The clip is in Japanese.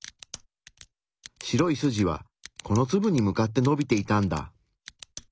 白い筋はこのツブに向かってのびていたんだ。